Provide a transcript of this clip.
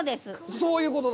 そういうことだ！